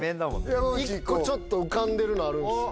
１個ちょっと浮かんでるのあるんですよ